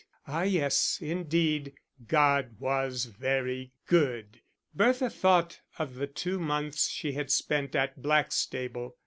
Ah yes, indeed, God was very good! Bertha thought of the two months she had spent at Blackstable....